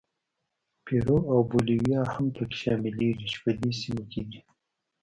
پیرو او بولیویا هم پکې شاملېږي چې په دې سیمو کې دي.